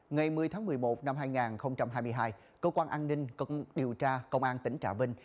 ngày một mươi tháng một mươi một năm hai nghìn hai mươi hai cơ quan an ninh công an tỉnh trạ vinh